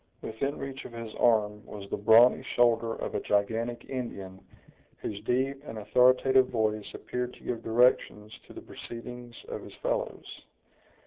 Within reach of his arm was the brawny shoulder of a gigantic Indian, whose deep and authoritative voice appeared to give directions to the proceedings of his fellows.